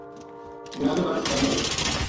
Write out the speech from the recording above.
جنازو رات ہسپتال ما رہیو